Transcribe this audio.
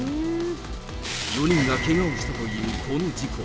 ４人がけがをしたというこの事故。